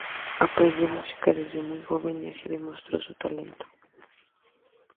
Aprendió música desde muy joven y así demostró su talento.